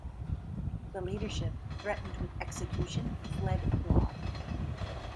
The leadership, threatened with execution, fled abroad.